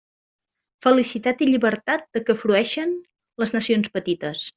Felicitat i llibertat de què frueixen les nacions petites.